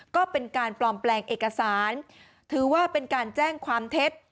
ก็เป็นการปลอมแปลงเอกสารถือว่าเป็นการแจ้งความเท็จ